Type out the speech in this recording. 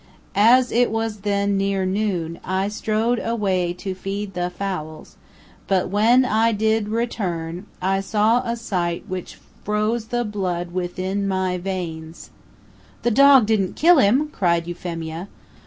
As it was then near noon, I strode away to feed the fowls; but when I did return, I saw a sight which froze the blood with in my veins " "The dog didn't kill him?" cried Euphemia.